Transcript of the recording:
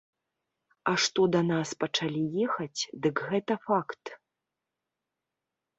А што да нас пачалі ехаць, дык гэта факт.